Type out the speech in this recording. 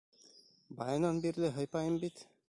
— Баянан бирле һыйпайым бит.